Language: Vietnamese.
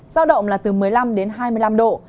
giao động là từ một mươi năm đến hai mươi năm độ